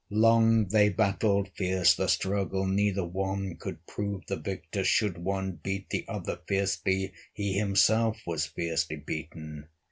Long they battled, fierce the struggle, Neither one could prove the victor; Should one beat the other fiercely, He himself was fiercely beaten.